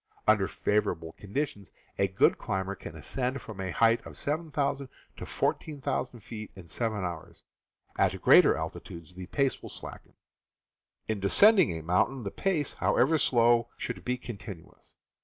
Under favorable conditions a good climber can ascend from a height of 7,000 ft. to 14,000 ft. in seven hours; at greater altitudes the pace will slacken. In descending a mountain, the pace, however slow, should be continuous.